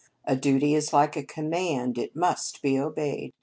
A duty is like a command; it must be obeyed.